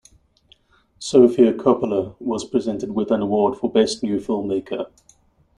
Sofia Coppola was presented with an award for Best New Filmmaker.